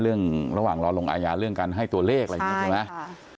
ระหว่างรอลงอาญาเรื่องการให้ตัวเลขอะไรอย่างนี้ใช่ไหม